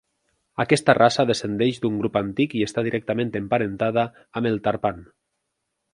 Aquesta raça descendeix d'un grup antic i està directament emparentada amb el tarpan.